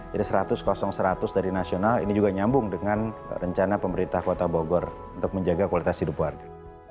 jadi seratus seratus dari nasional ini juga nyambung dengan rencana pemerintah kota bogor untuk menjaga kualitas hidup warga